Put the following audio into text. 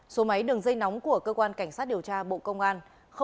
số máy đường dây nóng của cơ quan cảnh sát điều tra bộ công an